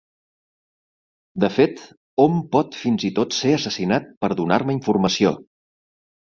De fet, hom pot fins i tot ser assassinat per donar-me informació.